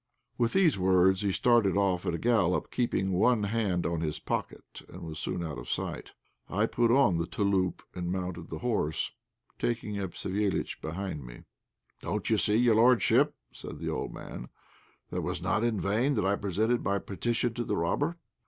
With these words, he started off at a gallop, keeping one hand on his pocket, and was soon out of sight. I put on the "touloup" and mounted the horse, taking up Savéliitch behind me. "Don't you see, your lordship," said the old man, "that it was not in vain that I presented my petition to the robber?